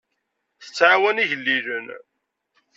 Tettɛawan igellilen.